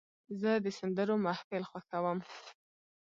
زه د سندرو محفل خوښوم.